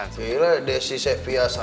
gila desi saya fiasa